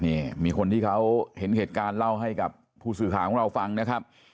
นี่มีคนที่เขาเห็นเหตุการณ์เล่าให้กับผู้สื่อข่าวของเราฟังนะครับ